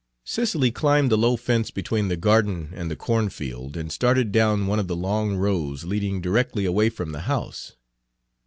Cicely climbed the low fence between the garden and the cornfield, and started down one of the long rows leading directly away from the house.